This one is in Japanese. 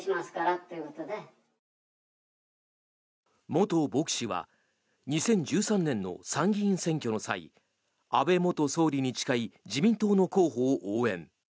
元牧師は２０１３年の参議院選挙の際安倍元総理に近い自民党の候補を応援。